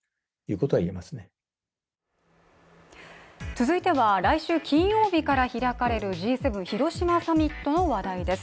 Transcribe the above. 続いては、来週金曜日から開かれるＧ７広島サミットの話題です。